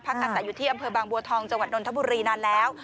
พักอัตรายุทธิ์ที่อำเภอบางบัวทองจังหวัดนทบุรีนานแล้ว